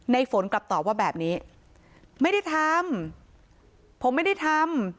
ฝนกลับตอบว่าแบบนี้ไม่ได้ทำผมไม่ได้ทำ